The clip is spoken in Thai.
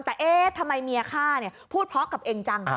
แต่เอ๊ะทำไมเมียฆ่าเนี่ยพูดเพราะกับเองจัง